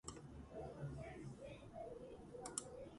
შტაბ-ბინა მდებარეობს სტრასბურგში.